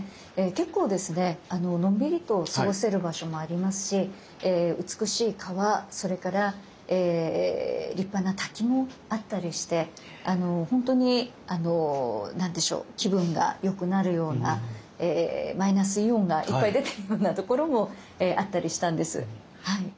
結構ですねのんびりと過ごせる場所もありますし美しい川それから立派な滝もあったりしてほんとに何でしょう気分が良くなるようなマイナスイオンがいっぱい出てるようなところもあったりしたんです。